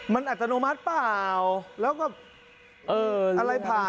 มันอัตโนมัติเปล่าแล้วก็อะไรผ่า